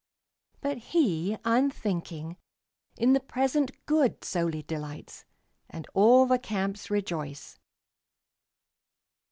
But he, unthinking, in the present good Solely delights, and all the camps rejoice.